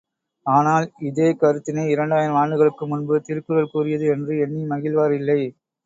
ஆனால் இதே கருத்தினை இரண்டாயிரம் ஆண்டுகளுக்கு முன்பு திருக்குறள் கூறியது என்று எண்ணி மகிழ்வாரில்லை.